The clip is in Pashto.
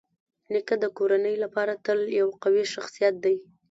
نیکه د کورنۍ لپاره تل یو قوي شخصيت دی.